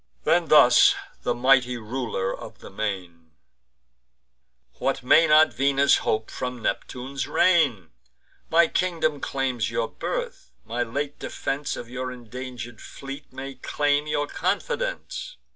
Then thus the mighty Ruler of the Main: "What may not Venus hope from Neptune's reign? My kingdom claims your birth; my late defence Of your indanger'd fleet may claim your confidence.